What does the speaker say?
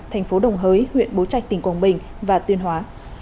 thành phố đồng hới huyện bố trạch tỉnh quảng bình và tuyên hóa